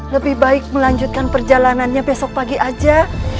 lebih baik melanjutkan perjalanannya besok pagi aja